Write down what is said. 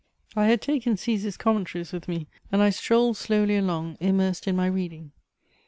I had taken Cæsar's Commentaries with me, and I strolled slowly along, immersed in my reading.